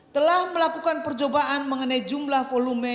telah melakukan percobaan mengenai jumlah volume